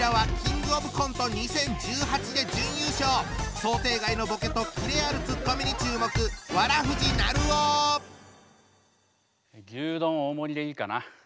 想定外のボケと切れあるツッコミに注目牛丼大盛りでいいかな。